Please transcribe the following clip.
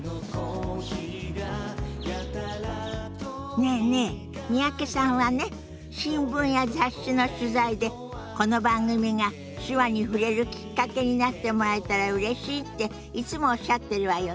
ねえねえ三宅さんはね新聞や雑誌の取材でこの番組が手話に触れるきっかけになってもらえたらうれしいっていつもおっしゃってるわよね。